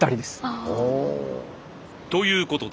ああ。ということで。